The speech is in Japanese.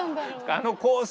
あのコース